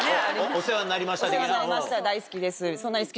お世話になりました。